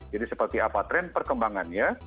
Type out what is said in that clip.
jadi seperti apa tren perkembangannya